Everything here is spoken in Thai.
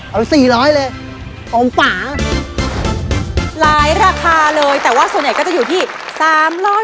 เอาสี่ร้อยเลยหอมฝางหลายราคาเลยแต่ว่าส่วนใหญ่ก็จะอยู่ที่สามร้อย